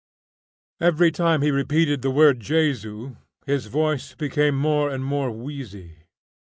Every time he repeated the word "Jesu" his voice became more and more wheezy.